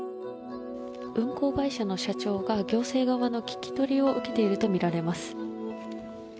運航会社の社長が行政側の聞き取りを受けているとみられます。